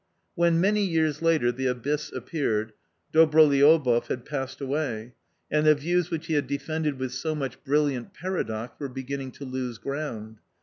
" When, many years later, The Abyss appeared, Dobro liouboff had passed away, and the views which he had defended with so much brilliant paradox were beginning to lose ground.